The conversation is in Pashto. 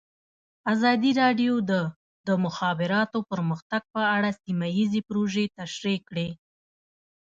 ازادي راډیو د د مخابراتو پرمختګ په اړه سیمه ییزې پروژې تشریح کړې.